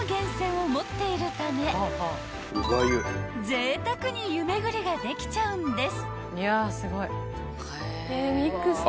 ［ぜいたくに湯巡りができちゃうんです］